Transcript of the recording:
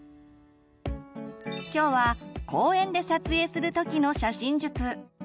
今日は公園で撮影する時の写真術。